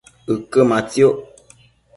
ëquë matsiuc